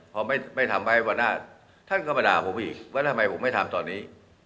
พอไม่ทำไว้วันหน้าท่านก็มาด่าผมอีกว่าทำไมผมไม่ทำตอนนี้